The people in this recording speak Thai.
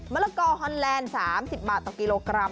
ละกอฮอนแลนด์๓๐บาทต่อกิโลกรัม